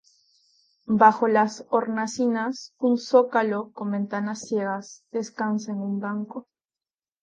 Bajo las hornacinas, un zócalo con ventanas ciegas descansa en un banco.